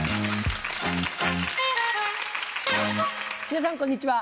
皆さんこんにちは。